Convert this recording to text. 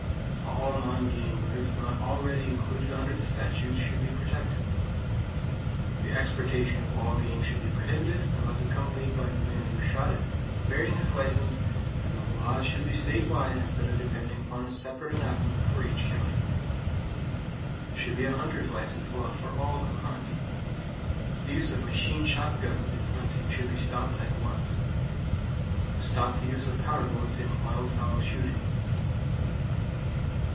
All non game birds not already included under the statutes should be protected. The exportation of all game should be prohibited, unless accompanied by the man who shot it, bearing his license, and the law should be state wide instead of depending upon a separate enactment for each county. There should be a hunter's license law for all who hunt. The use of machine shotguns in hunting should be stopped, at once. Stop the use of power boats in wild fowl shooting.